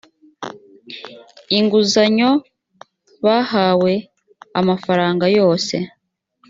inguzanyo bahawe amafaranga yose